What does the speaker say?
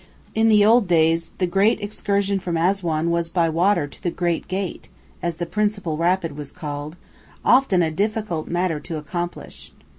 In the old days the great excursion from Assuan was by water to the "Great Gate," as the principal rapid was called, often a difficult matter to accomplish.